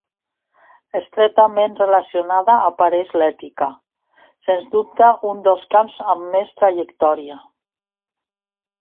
Estretament relacionada apareix l'ètica, sens dubte un dels camps amb més trajectòria.